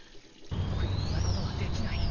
僕には同じことはできない。